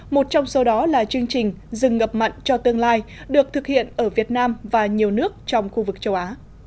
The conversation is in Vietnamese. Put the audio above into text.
một trong số đó là chương trình dừng ngập mặn cho tương lai được thực hiện ở việt nam và nhiều nước trong khu vực châu á